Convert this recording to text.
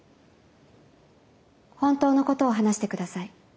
本当のことを話してください。